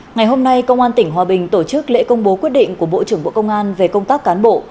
ngày hôm nay công an tỉnh hòa bình tổ chức lễ công bố quyết định của bộ trưởng bộ công an về công tác cán bộ